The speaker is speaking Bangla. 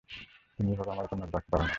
তুমি এভাবে আমার উপর নজর রাখতে পার না।